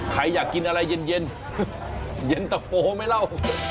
ใครอยากกินอะไรเย็นเย็นตะโฟไหมเล่า